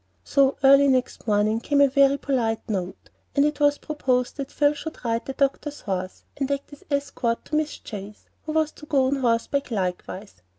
So early next morning came a very polite note; and it was proposed that Phil should ride the doctor's horse, and act as escort to Miss Chase, who was to go on horseback likewise.